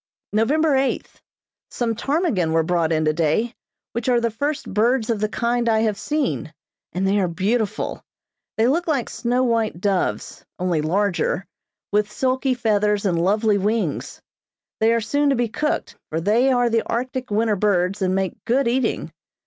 November eighth: Some ptarmigan were brought in today, which are the first birds of the kind I have seen, and they are beautiful. They look like snow white doves, only larger, with silky feathers and lovely wings. They are soon to be cooked, for they are the Arctic winter birds and make good eating.